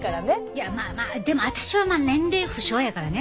いやまあまあでも私は年齢不詳やからね。